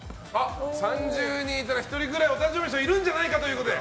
３０人いたら１人くらいお誕生日の人いるんじゃないかということで。